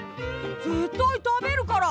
絶対食べるから！